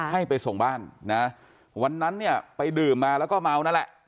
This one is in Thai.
ให้ไปส่งบ้านนะวันนั้นเนี่ยไปดื่มมาแล้วก็เมานั่นแหละ